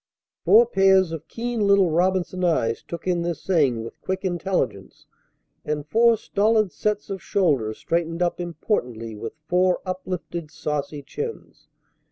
Four pairs of keen little Robinson eyes took in this saying with quick intelligence, and four stolid sets of shoulders straightened up importantly with four uplifted saucy chins.